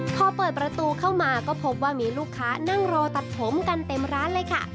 พอเปิดประตูเข้ามาก็พบว่ามีลูกค้านั่งรอตัดผมกันเต็มร้านเลยค่ะ